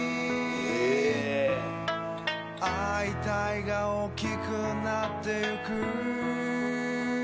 「会いたいが大きくなってゆく」